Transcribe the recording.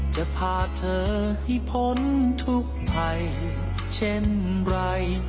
จะพาเธอให้พ้นทุกภัยเช่นไร